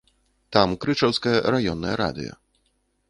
Там крычаўскае раённае радыё.